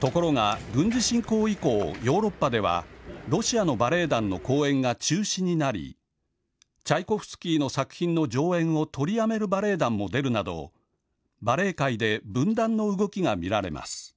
ところが軍事侵攻以降、ヨーロッパではロシアのバレエ団の公演が中止になりチャイコフスキーの作品の上演を取りやめるバレエ団も出るなどバレエ界で分断の動きが見られます。